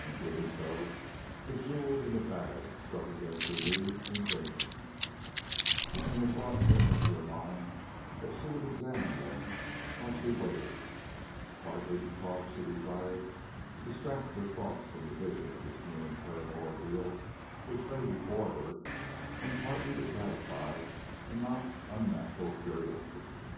In doing so the jewels in the bag struck against her knee and jingled, and the thought came into her mind that she would examine them while she waited, partly because she desired to distract her thoughts from the vision of this new and terrible ordeal which lay before her, and partly to gratify a not unnatural curiosity.